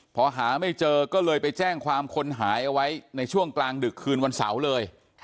พอหาไม่เจอก็เลยไปแจ้งความคนหายเอาไว้ในช่วงกลางดึกคืนวันเสาร์เลย